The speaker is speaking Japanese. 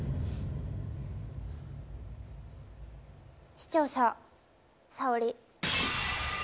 視聴者、沙織。